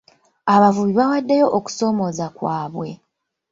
Abavubi baawaddeyo okusoomooza kwabwe.